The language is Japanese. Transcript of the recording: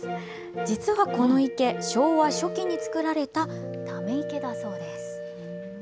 実はこの池、昭和初期に作られたため池だそうです。